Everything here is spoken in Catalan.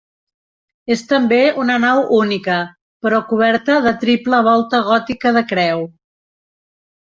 És també una nau única, però coberta de triple volta gòtica de creu.